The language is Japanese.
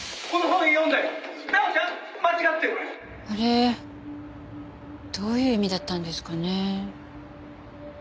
あれどういう意味だったんですかね？